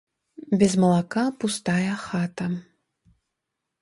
Без малака пустая хата.